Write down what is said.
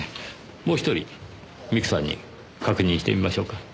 もう１人美久さんに確認してみましょうか。